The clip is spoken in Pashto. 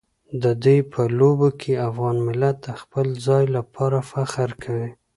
د دوی په لوبو کې افغان ملت د خپل ځای لپاره فخر کوي.